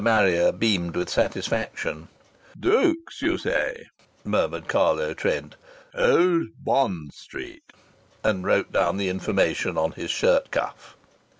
Marrier beamed with satisfaction. "Drook's, you say," murmured Carlo Trent. "Old Bond Street," and wrote down the information on his shirt cuff.